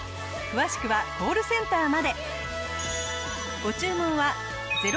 詳しくはコールセンターまで。